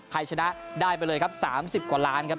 ชนะได้ไปเลยครับ๓๐กว่าล้านครับ